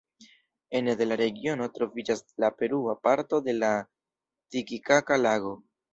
Ene de la regiono troviĝas la perua parto de la Titikaka-lago.